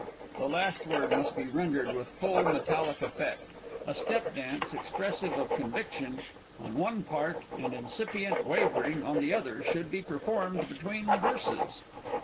[_The last word must be rendered with full metallic effect. A step dance, expressive of conviction on one part and incipient wavering on the other, should be performed between the verses.